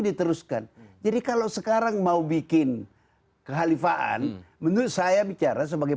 diteruskan jadi kalau sekarang mau bikin kehalifaan menurut saya bicara sebagai